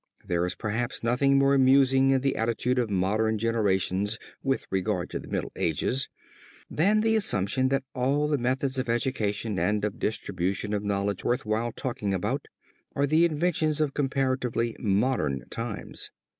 There is perhaps nothing more amusing in the attitude of modern generations with regard to the Middle Ages, than the assumption that all the methods of education and of the distribution of knowledge worth while talking about, are the inventions of comparatively modern times.